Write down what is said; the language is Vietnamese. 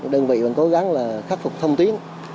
đơn vị vẫn cố gắng khắc phục thông tuyến